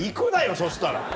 そしたら！